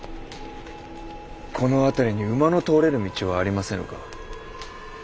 この辺りに馬の通れる道はありませぬか。